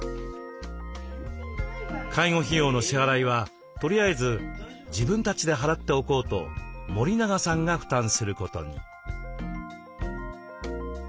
介護費用の支払いはとりあえず自分たちで払っておこうと森永さんが負担することに。